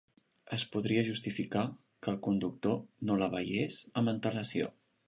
Es podria justificar que el conductor no la veiés amb antelació.